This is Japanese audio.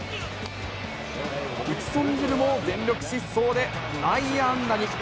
打ち損じるも、全力疾走で内野安打に。